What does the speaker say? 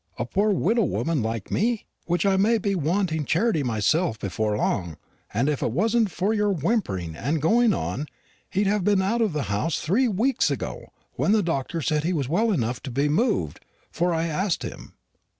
a poor widow woman like me which I may be wanting charity myself before long: and if it wasn't for your whimpering and going on he'd have been out of the house three weeks ago, when the doctor said he was well enough to be moved; for I ast him."